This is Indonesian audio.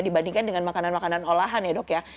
dibandingkan dengan makanan makanan olahan ya dok ya